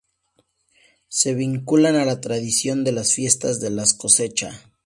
Se vinculan a la tradición de las fiestas de la cosecha.